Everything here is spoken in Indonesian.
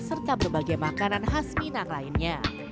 serta berbagai makanan khas minang lainnya